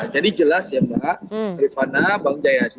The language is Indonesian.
jadi jelas ya mbak rifana bang jayadi